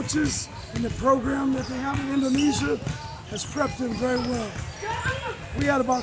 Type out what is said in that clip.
pemain dan program yang mereka punya di indonesia mereka telah mengerjakan mereka dengan sangat baik